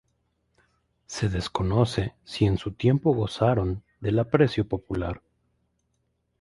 Se desconoce si en su tiempo gozaron del aprecio popular.